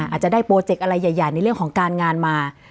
อาจจะได้โปรเจกต์อะไรใหญ่ในเรื่องของการงานมา